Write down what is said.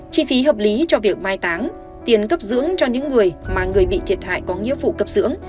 chi phí hợp lý cho việc mai táng tiền cấp dưỡng cho những người mà người bị thiệt hại có nghĩa phụ cấp dưỡng